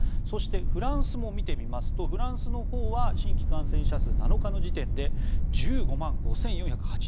そして、フランスも見てみますとフランスのほうは新規感染者数、７日の時点で１５万５４８９人。